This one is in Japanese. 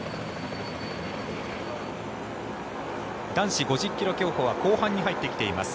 男子５０ｋｍ競歩は後半に入ってきています。